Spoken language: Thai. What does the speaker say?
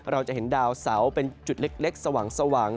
เราจะเห็นดาวเสาเป็นจุดเล็กสว่าง